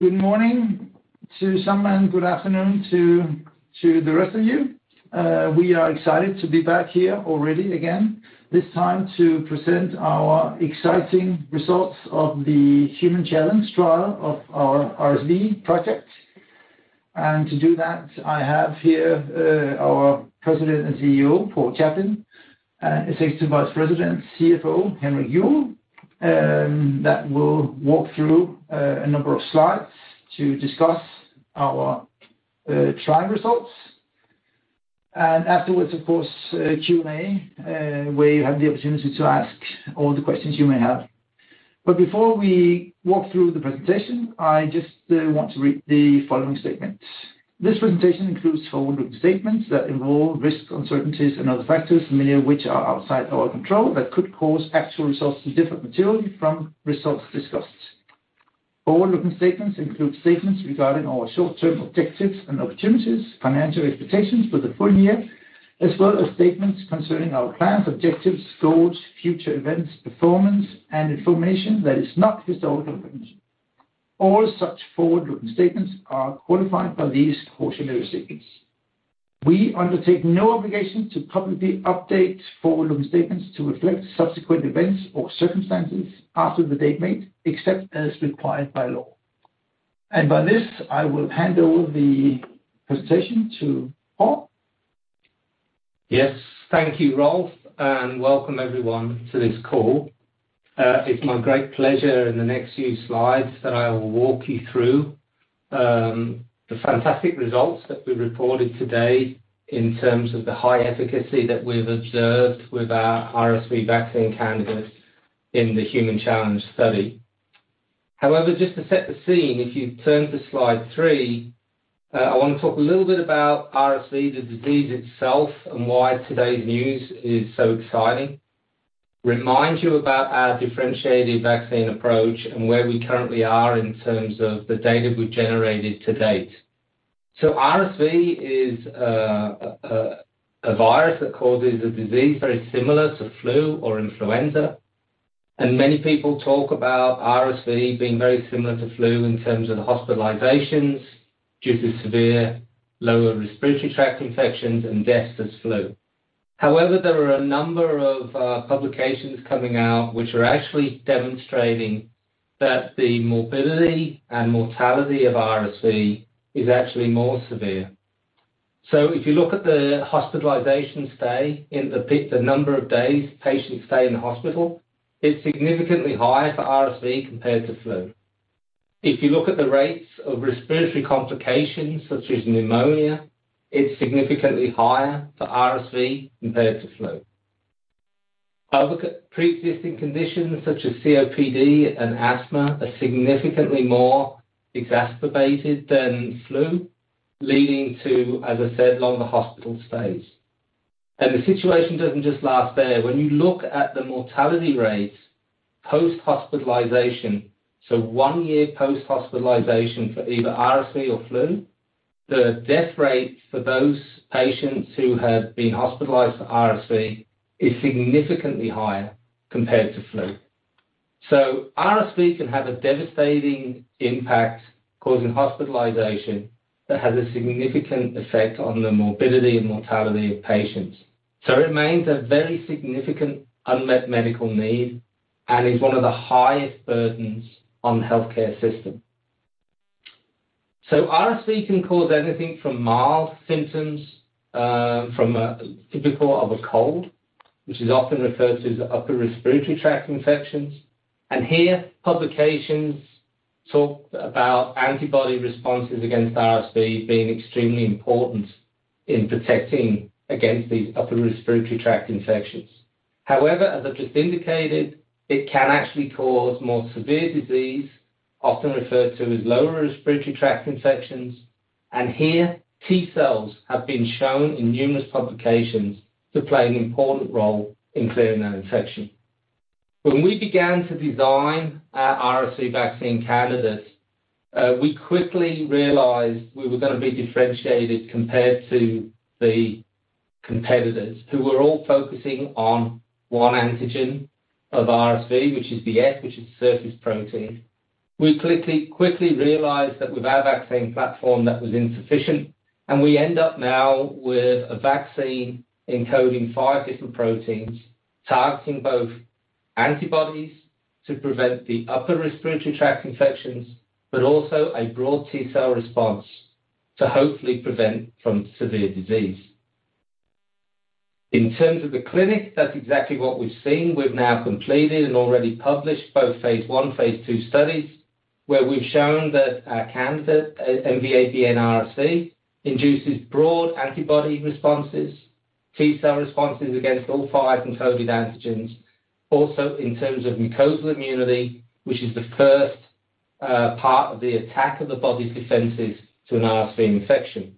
Good morning to some and good afternoon to the rest of you. We are excited to be back here already again, this time to present our exciting results of the human challenge trial of our RSV project. To do that, I have here our President & CEO, Paul Chaplin, and Executive Vice President, CFO, Henrik Juuel, that will walk through a number of slides to discuss our trial results. Afterwards, of course, Q&A, where you have the opportunity to ask all the questions you may have. Before we walk through the presentation, I just want to read the following statement. This presentation includes forward-looking statements that involve risks, uncertainties, and other factors, many of which are outside our control, that could cause actual results to differ materially from results discussed. Forward-looking statements include statements regarding our short-term objectives and opportunities, financial expectations for the full year, as well as statements concerning our plans, objectives, goals, future events, performance, and information that is not historical in nature. All such forward-looking statements are qualified by these cautionary statements. We undertake no obligation to publicly update forward-looking statements to reflect subsequent events or circumstances after the date made, except as required by law. By this, I will hand over the presentation to Paul. Yes. Thank you, Rolf, and welcome everyone to this call. It's my great pleasure in the next few slides that I will walk you through the fantastic results that we reported today in terms of the high efficacy that we've observed with our RSV vaccine candidate in the human challenge study. However, just to set the scene, if you turn to slide three, I want to talk a little bit about RSV, the disease itself, and why today's news is so exciting, remind you about our differentiated vaccine approach and where we currently are in terms of the data we've generated to date. RSV is a virus that causes a disease very similar to flu or influenza, and many people talk about RSV being very similar to flu in terms of hospitalizations due to severe lower respiratory tract infections and deaths as flu. However, there are a number of publications coming out which are actually demonstrating that the morbidity and mortality of RSV is actually more severe. If you look at the hospitalization stay in the number of days patients stay in the hospital, it is significantly higher for RSV compared to flu. If you look at the rates of respiratory complications, such as pneumonia, it is significantly higher for RSV compared to flu. Other pre-existing conditions such as COPD and asthma are significantly more exacerbated than flu, leading to, as I said, longer hospital stays. The situation doesn't just last there. When you look at the mortality rates post-hospitalization, so one year post-hospitalization for either RSV or flu, the death rate for those patients who have been hospitalized for RSV is significantly higher compared to flu. RSV can have a devastating impact, causing hospitalization that has a significant effect on the morbidity and mortality of patients. It remains a very significant unmet medical need and is one of the highest burdens on the healthcare system. RSV can cause anything from mild symptoms, from typical of a cold, which is often referred to as upper respiratory tract infections. Here, publications talk about antibody responses against RSV being extremely important in protecting against these upper respiratory tract infections. However, as I've just indicated, it can actually cause more severe disease, often referred to as lower respiratory tract infections. Here, T cells have been shown in numerous publications to play an important role in clearing that infection. When we began to design our RSV vaccine candidates, we quickly realized we were going to be differentiated compared to the competitors who were all focusing on one antigen of RSV, which is F, which is surface protein. We quickly realized that with our vaccine platform, that was insufficient, and we end up now with a vaccine encoding 5 different proteins, targeting both antibodies to prevent the upper respiratory tract infections, but also a broad T cell response to hopefully prevent from severe disease. In terms of the clinic, that's exactly what we've seen. We've now completed and already published both phase I, phase II studies, where we've shown that our candidate, MVA-BN RSV, induces broad antibody responses, T cell responses against all five encoded antigens. In terms of mucosal immunity, which is the first part of the attack of the body's defenses to an RSV infection.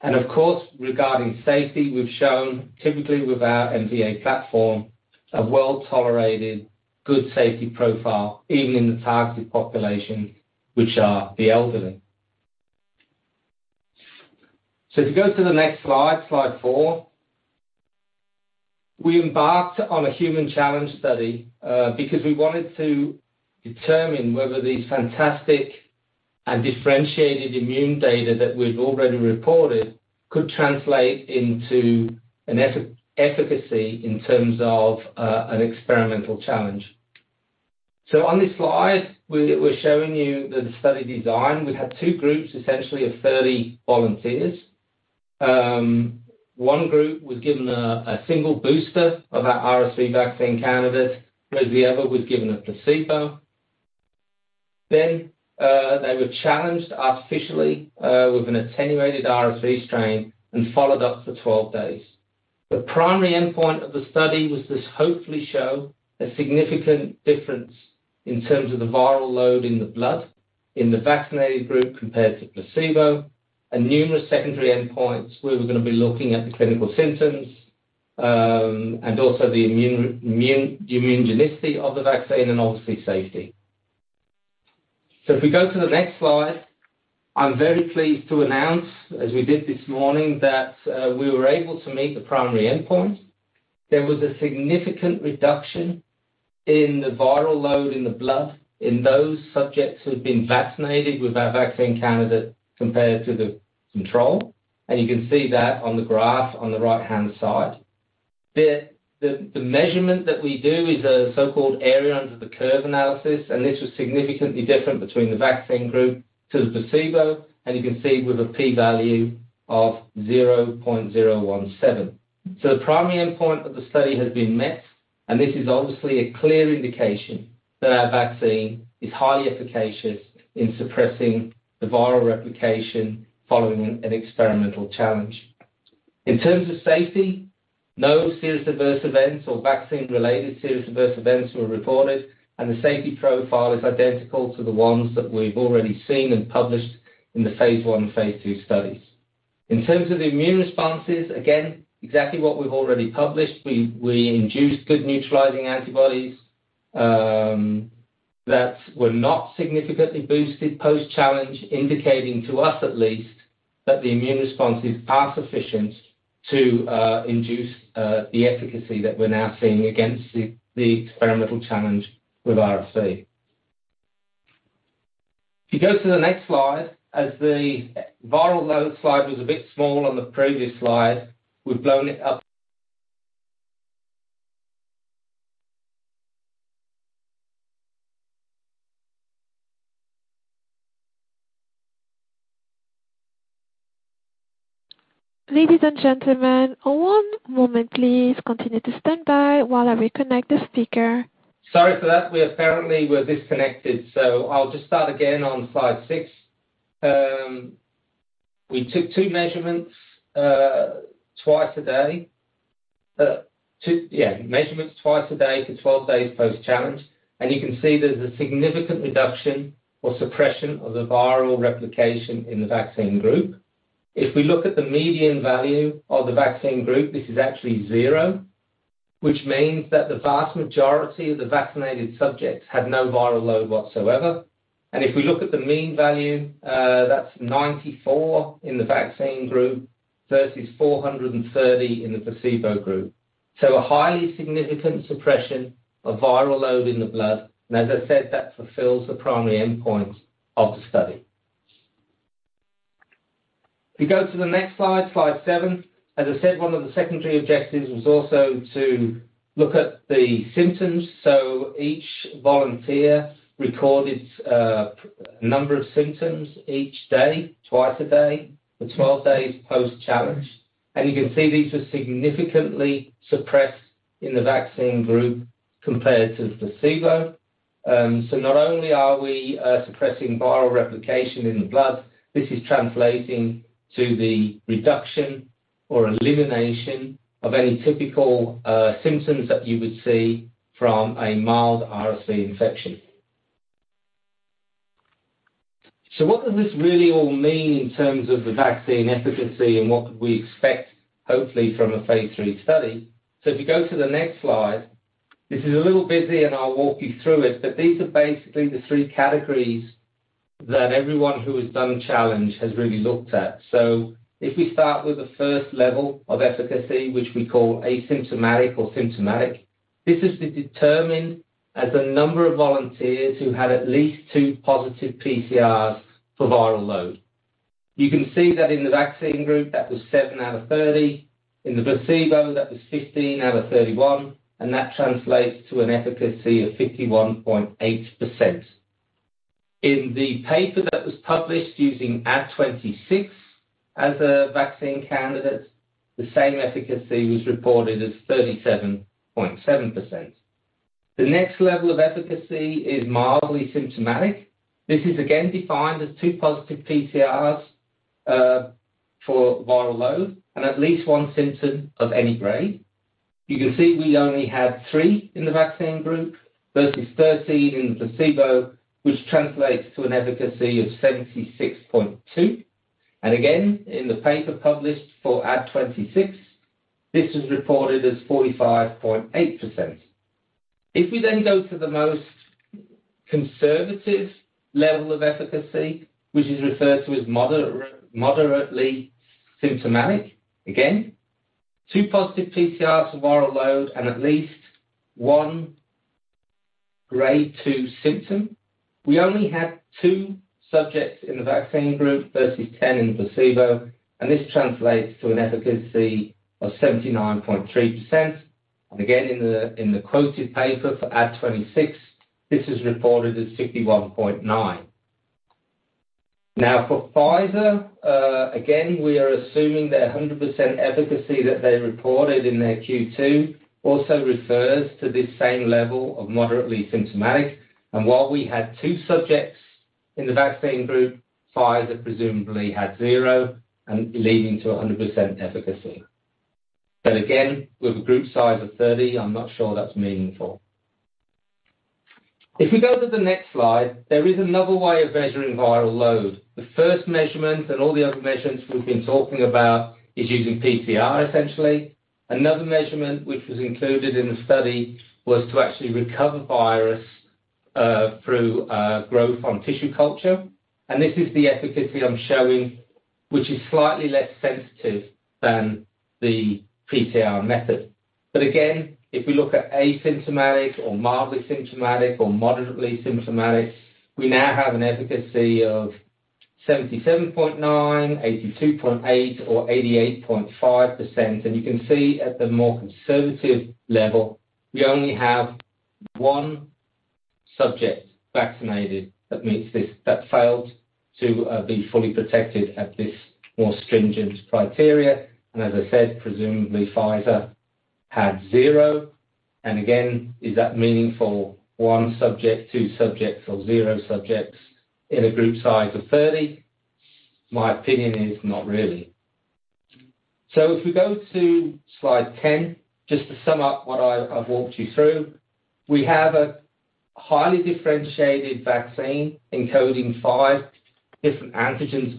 Of course, regarding safety, we've shown typically with our MVA platform, a well-tolerated, good safety profile, even in the targeted population, which are the elderly. If you go to the next slide four. We embarked on a human challenge study because we wanted to determine whether these fantastic and differentiated immune data that we've already reported could translate into an efficacy in terms of an experimental challenge. On this slide, we're showing you the study design. We had two groups, essentially, of 30 volunteers. One group was given a single booster of our RSV vaccine candidate. The other was given a placebo. They were challenged artificially with an attenuated RSV strain and followed up for 12 days. The primary endpoint of the study was to hopefully show a significant difference in terms of the viral load in the blood, in the vaccinated group compared to placebo. Numerous secondary endpoints. We were going to be looking at the clinical symptoms, and also the immunogenicity of the vaccine, and obviously, safety. If we go to the next slide, I'm very pleased to announce, as we did this morning, that we were able to meet the primary endpoint. There was a significant reduction in the viral load in the blood in those subjects who had been vaccinated with our vaccine candidate compared to the control, and you can see that on the graph on the right-hand side. The measurement that we do is a so-called area under the curve analysis, and this was significantly different between the vaccine group to the placebo, and you can see with a P-value of 0.017. The primary endpoint of the study has been met, and this is obviously a clear indication that our vaccine is highly efficacious in suppressing the viral replication following an experimental challenge. In terms of safety, no serious adverse events or vaccine-related serious adverse events were reported, and the safety profile is identical to the ones that we've already seen and published in the phase I and phase II studies. In terms of the immune responses, again, exactly what we've already published. We induced good neutralizing antibodies that were not significantly boosted post-challenge, indicating to us at least, that the immune responses are sufficient to induce the efficacy that we're now seeing against the experimental challenge with RSV. If you go to the next slide, as the viral load slide was a bit small on the previous slide, we've blown it up. Ladies and gentlemen, one moment, please. Continue to stand by while I reconnect the speaker. Sorry for that. We apparently were disconnected, so I'll just start again on slide six. We took two measurements, twice a day for 12 days post-challenge, and you can see there's a significant reduction or suppression of the viral replication in the vaccine group. If we look at the median value of the vaccine group, this is actually 0, which means that the vast majority of the vaccinated subjects had no viral load whatsoever. If we look at the mean value, that's 94 in the vaccine group versus 430 in the placebo group. A highly significant suppression of viral load in the blood. As I said, that fulfills the primary endpoint of the study. If you go to the next slide seven. As I said, 1 of the secondary objectives was also to look at the symptoms. Each volunteer recorded a number of symptoms each day, twice a day, for 12 days post-challenge. You can see these are significantly suppressed in the vaccine group compared to the placebo. Not only are we suppressing viral replication in the blood, this is translating to the reduction or elimination of any typical symptoms that you would see from a mild RSV infection. What does this really all mean in terms of the vaccine efficacy and what could we expect, hopefully, from a phase III study? If you go to the next slide, this is a little busy and I'll walk you through it, but these are basically the three categories that everyone who has done challenge has really looked at. If we start with the first level of efficacy, which we call asymptomatic or symptomatic, this is to determine as a number of volunteers who had at least two positive PCRs for viral load. You can see that in the vaccine group, that was seven out of 30. In the placebo, that was 15 out of 31, and that translates to an efficacy of 51.8%. In the paper that was published using Ad26 as a vaccine candidate, the same efficacy was reported as 37.7%. The next level of efficacy is mildly symptomatic. This is again defined as two positive PCRs for viral load and at least one symptom of any grade. You can see we only have three in the vaccine group versus 13 in placebo, which translates to an efficacy of 76.2%. Again, in the paper published for Ad26, this is reported as 45.8%. If we then go to the most conservative level of efficacy, which is referred to as moderately symptomatic, again, two positive PCRs of viral load and at least one Grade 2 symptom. We only had two subjects in the vaccine group versus 10 in the placebo, and this translates to an efficacy of 79.3%. Again, in the quoted paper for Ad26, this is reported as 61.9%. Now for Pfizer, again, we are assuming their 100% efficacy that they reported in their Q2 also refers to this same level of moderately symptomatic. While we had two subjects in the vaccine group, Pfizer presumably had zero, and leading to 100% efficacy. Again, with a group size of 30, I'm not sure that's meaningful. If we go to the next slide, there is another way of measuring viral load. The first measurement, and all the other measurements we've been talking about, is using PCR, essentially. Another measurement which was included in the study was to actually recover virus through growth on tissue culture. This is the efficacy I'm showing, which is slightly less sensitive than the PCR method. Again, if we look at asymptomatic or mildly symptomatic or moderately symptomatic, we now have an efficacy of 77.9%, 82.8% or 88.5%. You can see at the more conservative level, we only have one subject vaccinated that failed to be fully protected at this more stringent criteria. As I said, presumably Pfizer had zero. Again, is that meaningful, one subject, two subjects, or zero subjects in a group size of 30? My opinion is not really. If we go to slide 10, just to sum up what I've walked you through. We have a highly differentiated vaccine encoding five different antigens of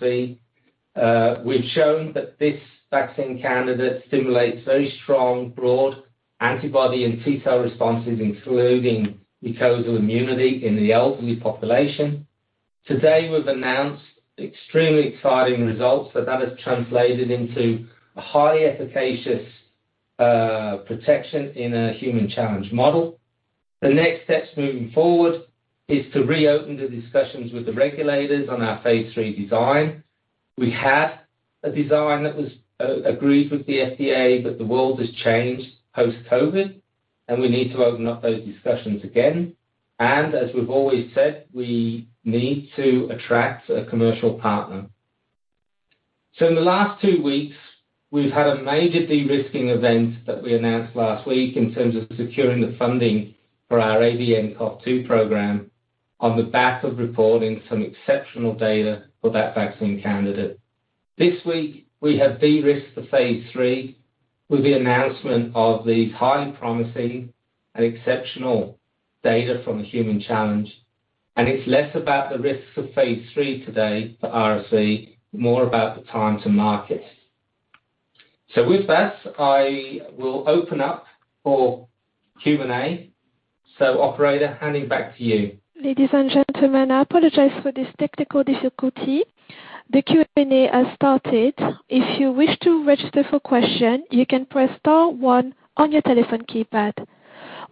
RSV. We've shown that this vaccine candidate stimulates very strong broad antibody and T cell responses, including mucosal immunity in the elderly population. Today, we've announced extremely exciting results that has translated into a highly efficacious protection in a human challenge model. The next steps moving forward is to reopen the discussions with the regulators on our phase III design. We had a design that was agreed with the FDA, the world has changed post-COVID, we need to open up those discussions again. As we've always said, we need to attract a commercial partner. In the last two weeks, we've had a major de-risking event that we announced last week in terms of securing the funding for our ABNCoV2 program on the back of reporting some exceptional data for that vaccine candidate. This week we have de-risked the phase III with the announcement of the highly promising and exceptional data from the human challenge. It's less about the risks of phase III today for RSV, more about the time to market. With that, I will open up for Q&A. Operator, handing back to you. Ladies and gentlemen, I apologize for this technical difficulty. The Q&A has started. If you wish to register for question, you can press star one on your telephone keypad.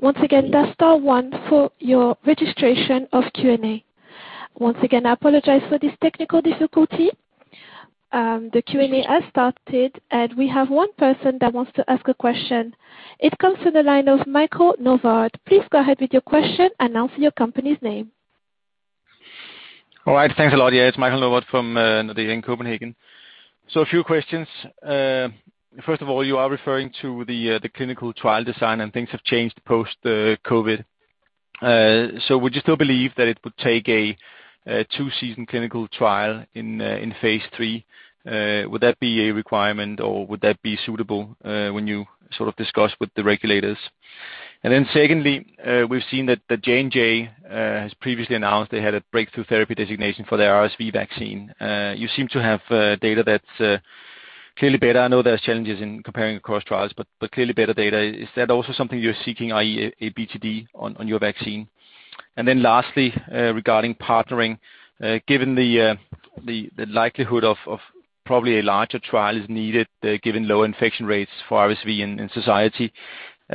Once again, that's star one for your registration of Q&A. Once again, I apologize for this technical difficulty. The Q&A has started, and we have one person that wants to ask a question. It comes from the line of Michael Novod. Please go ahead with your question, announce your company's name. All right. Thanks a lot. Yeah, it's Michael Novod from Nordea in Copenhagen. A few questions. First of all, you are referring to the clinical trial design, and things have changed post-COVID. Would you still believe that it would take a two-season clinical trial in phase III? Would that be a requirement or would that be suitable, when you sort of discuss with the regulators? Secondly, we've seen that the J&J has previously announced they had a breakthrough therapy designation for their RSV vaccine. You seem to have data that's clearly better. I know there's challenges in comparing across trials, but clearly better data. Is that also something you're seeking, i.e., a BTD on your vaccine? Lastly, regarding partnering, given the likelihood of probably a larger trial is needed, given low infection rates for RSV in society,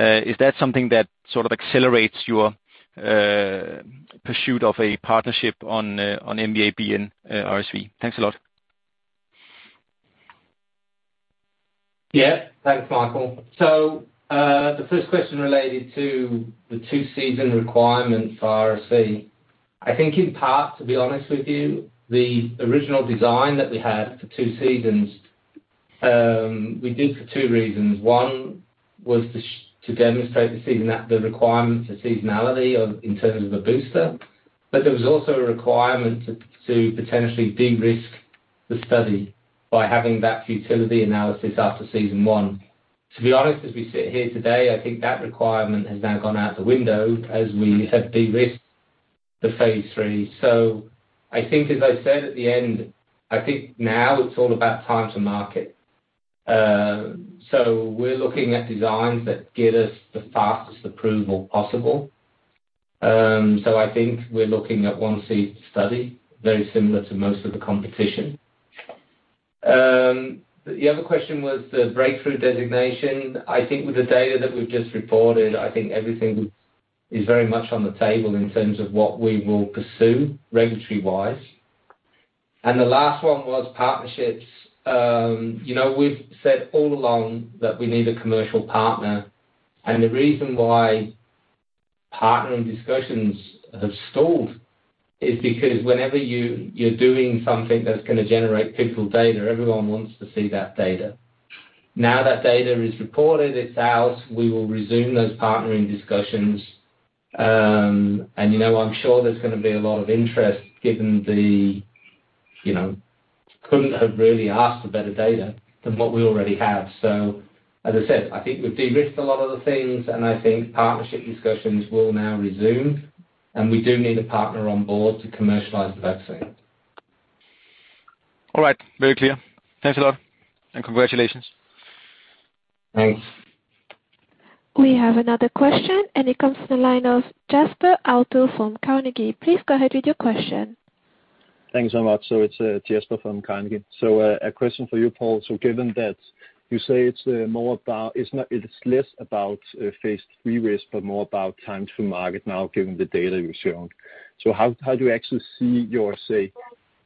is that something that sort of accelerates your pursuit of a partnership on MVA-BN RSV? Thanks a lot. Yeah. Thanks, Michael. The first question related to the two-season requirement for RSV. I think in part, to be honest with you, the original design that we had for two seasons, we did for two reasons. One was to demonstrate the requirement for seasonality of in terms of a booster, but there was also a requirement to potentially de-risk the study by having that futility analysis after season one. To be honest, as we sit here today, I think that requirement has now gone out the window as we have de-risked the phase III. I think, as I said at the end, I think now it's all about time to market. We're looking at designs that get us the fastest approval possible. I think we're looking at one seed study, very similar to most of the competition. The other question was the breakthrough designation. I think with the data that we've just reported, I think everything is very much on the table in terms of what we will pursue regulatory-wise. The last one was partnerships. We've said all along that we need a commercial partner, and the reason why partnering discussions have stalled is because whenever you're doing something that's going to generate pivotal data, everyone wants to see that data. Now that data is reported, it's out, we will resume those partnering discussions. I'm sure there's going to be a lot of interest. Couldn't have really asked for better data than what we already have. As I said, I think we've de-risked a lot of the things, and I think partnership discussions will now resume, and we do need a partner on board to commercialize the vaccine. All right. Very clear. Thanks a lot, and congratulations. Thanks. We have another question, and it comes to the line of Jesper Ilsøe. from Carnegie. Please go ahead with your question. Thanks so much. It's Jesper from Carnegie. A question for you, Paul Chaplin. Given that you say it's less about phase III risk, but more about time to market now, given the data you've shown. How do you actually see your, say,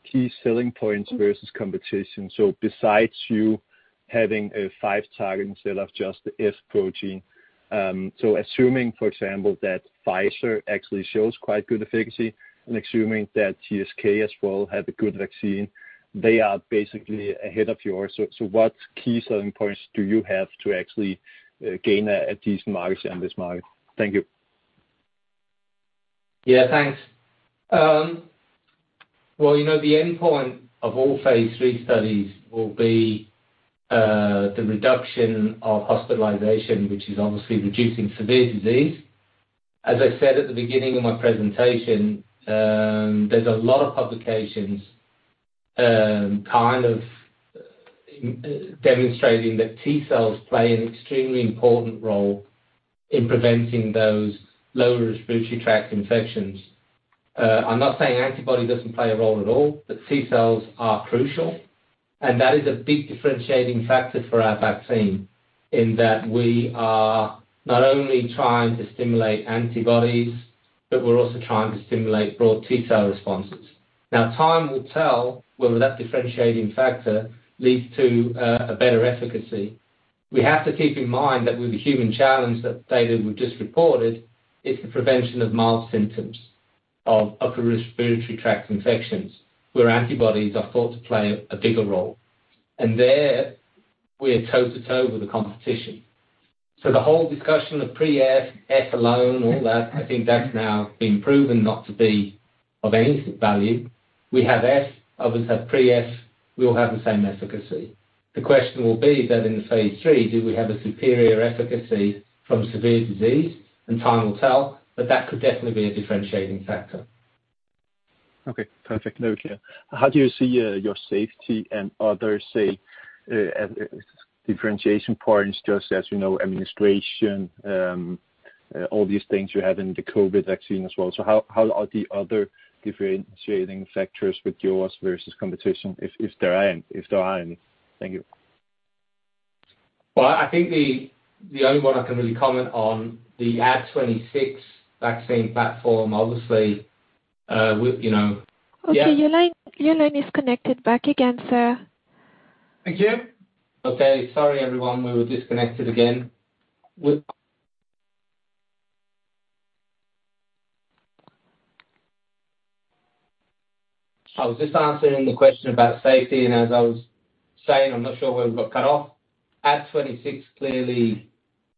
key selling points versus competition? Besides you having an F protein target instead of just the S protein. Assuming, for example, that Pfizer actually shows quite good efficacy, and assuming that GSK as well have a good vaccine, they are basically ahead of yours. What key selling points do you have to actually gain a decent market share in this market? Thank you. Thanks. Well, the endpoint of all phase III studies will be the reduction of hospitalization, which is obviously reducing severe disease. As I said at the beginning of my presentation, there's a lot of publications kind of demonstrating that T-cells play an extremely important role in preventing those lower respiratory tract infections. I'm not saying antibody doesn't play a role at all, but T-cells are crucial, and that is a big differentiating factor for our vaccine in that we are not only trying to stimulate antibodies, but we're also trying to stimulate broad T-cell responses. Time will tell whether that differentiating factor leads to a better efficacy. We have to keep in mind that with the human challenge, that data we've just reported, it's the prevention of mild symptoms of upper respiratory tract infections where antibodies are thought to play a bigger role. There we are toe-to-toe with the competition. The whole discussion of pre-F, F alone, all that, I think that's now been proven not to be of any value. We have F, others have pre-F. We all have the same efficacy. The question will be that in the phase III, do we have a superior efficacy from severe disease? Time will tell, but that could definitely be a differentiating factor. Okay, perfect. Note here, how do you see your safety and other, say, differentiation points just as you know, administration, all these things you have in the COVID vaccine as well. How are the other differentiating factors with yours versus competition if there are any? Thank you. Well, I think the only one I can really comment on the Ad26 vaccine platform, obviously. Okay, your line is connected back again, sir. Thank you. Okay. Sorry, everyone. We were disconnected again. I was just answering the question about safety, and as I was saying, I'm not sure where we got cut off. Ad26 clearly,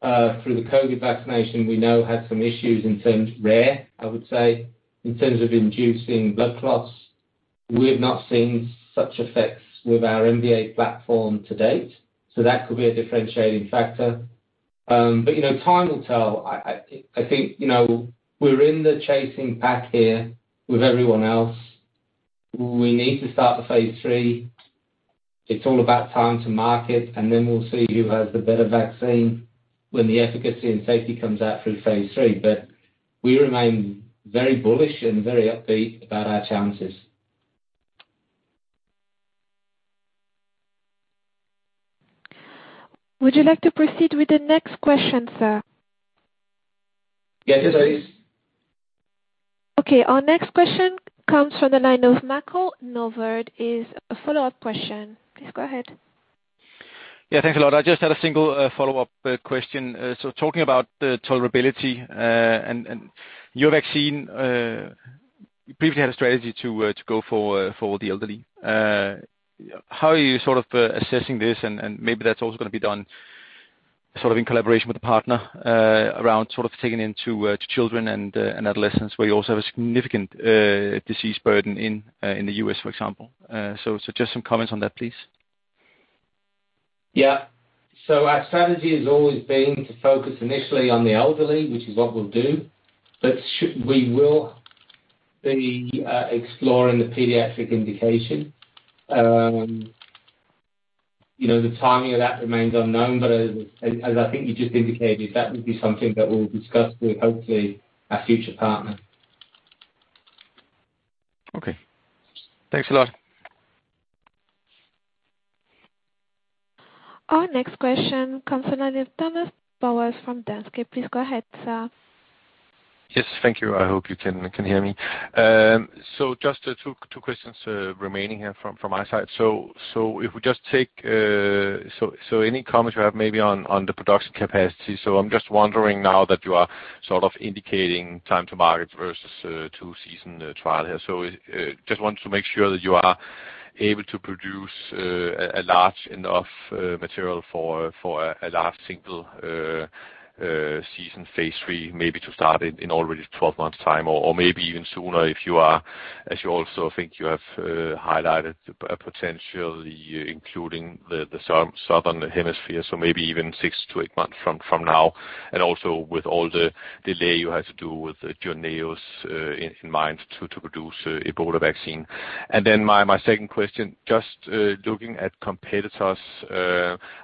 through the COVID vaccination, we know had some issues in terms, rare, I would say, in terms of inducing blood clots. We have not seen such effects with our MVA platform to date. That could be a differentiating factor. Time will tell. I think we're in the chasing pack here with everyone else. We need to start the phase III. It's all about time to market. We'll see who has the better vaccine when the efficacy and safety comes out through phase III. We remain very bullish and very upbeat about our chances. Would you like to proceed with the next question, sir? Yes, please. Okay. Our next question comes from the line of Michael Novod. It's a follow-up question. Please go ahead. Thanks a lot. I just had a single follow-up question. Talking about the tolerability and your vaccine, you previously had a strategy to go for the elderly. How are you sort of assessing this and maybe that's also going to be done sort of in collaboration with a partner around sort of taking into children and adolescents where you also have a significant disease burden in the U.S, for example. Just some comments on that, please. Yeah. Our strategy has always been to focus initially on the elderly, which is what we'll do. We will be exploring the pediatric indication. The timing of that remains unknown, but as I think you just indicated, that would be something that we'll discuss with, hopefully, a future partner. Okay. Thanks a lot. Our next question comes from Thomas Bowers from Danske. Please go ahead, sir. Yes. Thank you. I hope you can hear me. Just two questions remaining here from my side. If we just take any comments you have maybe on the production capacity. I'm just wondering now that you are sort of indicating time to market versus two season trial here. Just want to make sure that you are able to produce a large enough material for a last single season phase III, maybe to start in already 12 months time or maybe even sooner if you are, as you also think you have highlighted, potentially including the southern hemisphere, so maybe even six-eight months from now. Also with all the delay you had to do with J&J in mind to produce Ebola vaccine? My second question, just looking at competitors,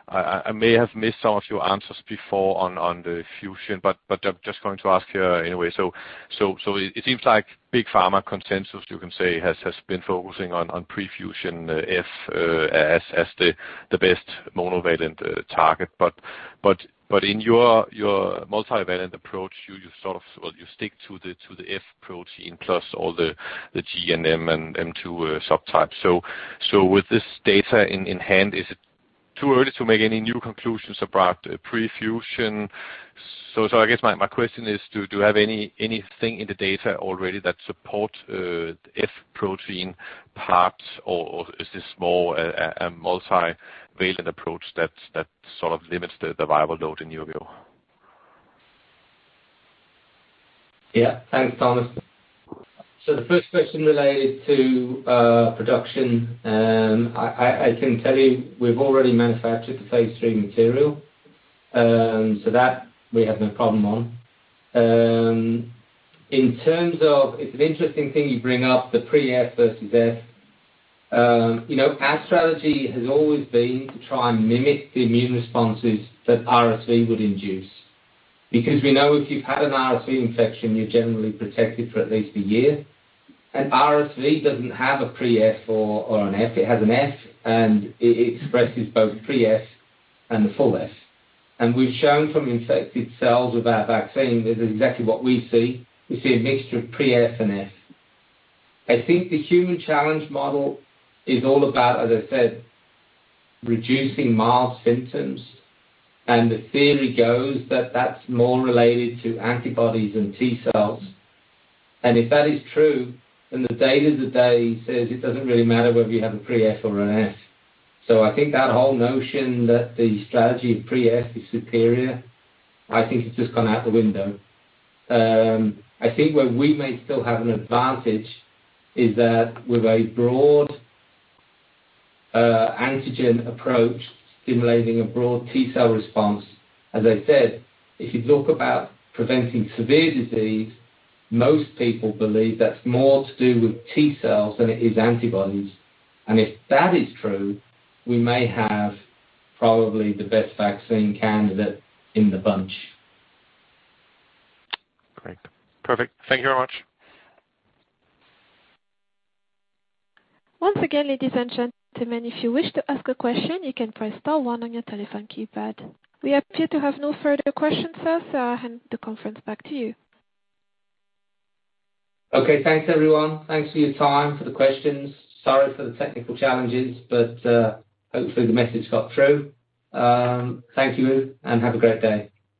I may have missed some of your answers before on the fusion, but just going to ask here anyway. it seems like big pharma consensus, you can say, has been focusing on pre-F as the best monovalent target. in your multivalent approach, you stick to the F protein plus all the G and M and M2 subtypes. With this data in hand, is it too early to make any new conclusions about pre-F? I guess my question is, do you have anything in the data already that support F protein part, or is this more a multivalent approach that sort of limits the viral load in your view? Yeah. Thanks, Thomas. The first question related to production, I can tell you we've already manufactured the phase III material. That we have no problem on. It's an interesting thing you bring up the pre-F versus F. Our strategy has always been to try and mimic the immune responses that RSV would induce, because we know if you've had an RSV infection, you're generally protected for at least a year. RSV doesn't have a pre-F or an F. It has an F, and it expresses both pre-F and the full F. We've shown from infected cells with our vaccine, this is exactly what we see. We see a mixture of pre-F and F. I think the human challenge model is all about, as I said, reducing mild symptoms, and the theory goes that that's more related to antibodies than T cells. If that is true, the data today says it doesn't really matter whether you have a pre-F or an F. I think that whole notion that the strategy of pre-F is superior, I think has just gone out the window. I think where we may still have an advantage is that with a broad antigen approach simulating a broad T cell response, as I said, if you talk about preventing severe disease, most people believe that's more to do with T cells than it is antibodies. If that is true, we may have probably the best vaccine candidate in the bunch. Great. Perfect. Thank you very much. Once again, ladies and gentlemen, if you wish to ask a question, you can press star one on your telephone keypad. We appear to have no further questions, sir, I hand the conference back to you. Okay. Thanks, everyone. Thanks for your time, for the questions. Sorry for the technical challenges, but hopefully the message got through. Thank you and have a great day.